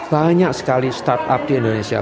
banyak sekali startup di indonesia